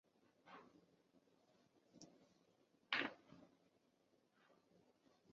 第一次世界大战后不久他的父母就从苏格兰北部来到了南非。